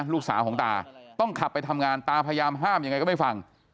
ลูกสาวของตาต้องขับไปทำงานตาพยายามห้ามยังไงก็ไม่ฟัง